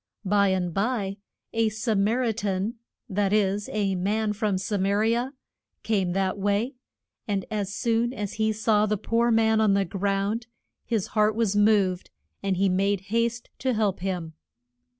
By and by a Sa mar i tan that is, a man from Sa ma ri a came that way, and as soon as he saw the poor man on the ground his heart was moved, and he made haste to help him.